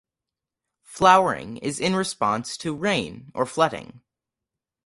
Flowering is in response to rain or flooding.